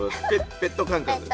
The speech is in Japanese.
ペット感覚です。